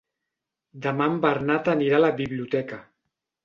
Demà en Bernat anirà a la biblioteca.